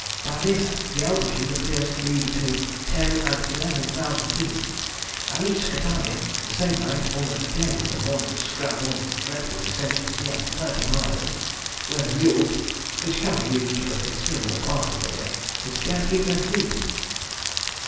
By this the altitude appears to be between 10 and 11,000 feet. I reached Catania the same night, almost dead with the morning's scramble and the dreadful descent of near thirty miles, where the mules (which can be used for a considerable part of the way) could scarce keep their feet.